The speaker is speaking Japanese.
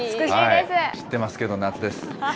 知ってますけど、夏です。